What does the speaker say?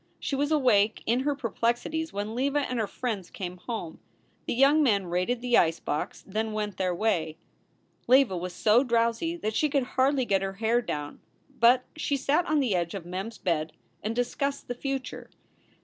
She was awake in her perplexities when Leva and her friends came home. The young men raided the ice box, then went their way. Leva was so drowsy that she could hardly get her hair down, but she sat on the edge of Mem s bed and discussed the future.